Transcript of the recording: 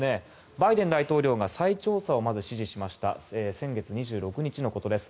バイデン大統領が再調査を指示しました先月２６日のことです。